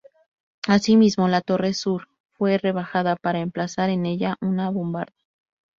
Así mismo, la torre sur fue rebajada para emplazar en ella una bombarda.